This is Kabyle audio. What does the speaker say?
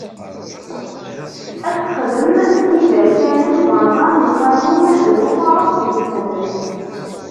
Asexdem n yiberkanen barra n lqanun d ufares deg-sen.